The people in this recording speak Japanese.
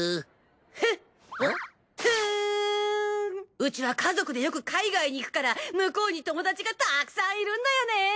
うちは家族でよく海外に行くから向こうに友達がたくさんいるんだよね。